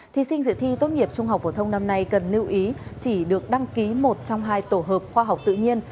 thí sinh dự thi tốt nghiệp trung học phổ thông năm nay cần lưu ý chỉ được đăng ký một trong hai tổ hợp khoa học tự nhiên